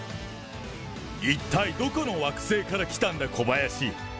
一体どこの惑星から来たんだ、コバヤシ！